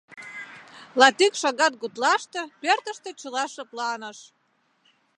Латик шагат гутлаште пӧртыштӧ чыла шыпланыш.